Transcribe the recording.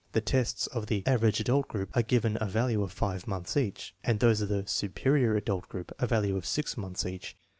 The tests of the " aver age adult " group are given a value of 5 months each, and those of the " superior adult " group a value of 6 months each.